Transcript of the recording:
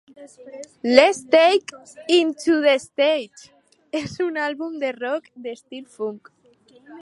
"Let's Take It to the Stage" és un àlbum de rock d"estil funk.